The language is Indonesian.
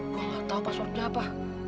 gue nggak tahu passwordnya apa